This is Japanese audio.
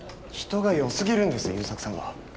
人がよすぎるんです優作さんは。